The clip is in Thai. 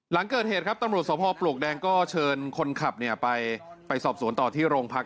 หลังเกิดเหตุครับตำรวจสภปลวกแดงก็เชิญคนขับไปสอบสวนต่อที่โรงพัก